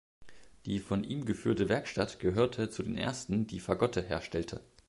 Die von ihm geführte Werkstatt gehörte zu den ersten, die Fagotte herstellte.